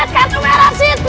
terima kasih sakit